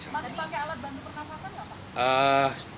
masih pakai alat bantu perkansasan nggak pak